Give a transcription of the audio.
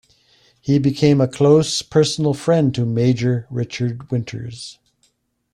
He became a close personal friend to Major Richard Winters.